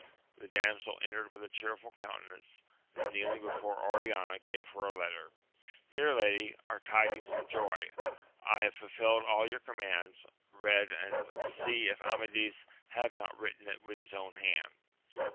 The dam sel entered with a cheerful countenance, and kneeling before Oriana gave her a letter : Here, lady, are tidings of joy ! I have fulfilled all your commands : read, and see if Amadis have not written it with his own hand.